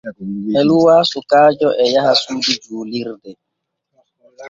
Eluwa sukaajo e yaha suudu juulirde.